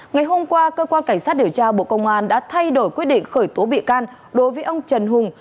ngày hôm qua cơ quan cảnh sát điều tra bộ công an đã thay đổi quyết định khởi tố bị can đối với ông trần hùng